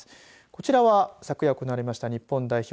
こちらは昨夜行われました日本代表